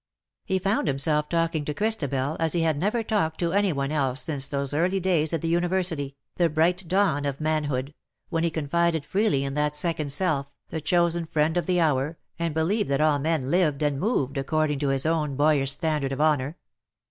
He found himself talking? to Christabel as he had '^TINTAGEL, HALF IN SEA^ AND HALF ON LAND." 9(^ never talked to any one else since those early days at the University,, the bright dawn of manhood, when he confided freely in that second self, the chosen friend of the hour, and believed that all men lived and moved according to his own boyish standard of honour.